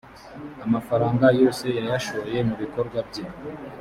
amafaranga yose yayashoye mu bikorwa bye